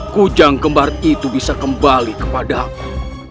kujang gembar itu bisa kembali kepada aku